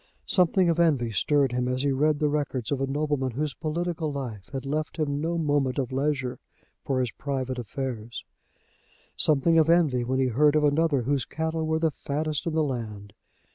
Something of envy stirred him as he read the records of a nobleman whose political life had left him no moment of leisure for his private affairs; something of envy when he heard of another whose cattle were the fattest in the land.